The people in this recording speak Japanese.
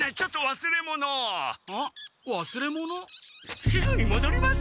すぐにもどります。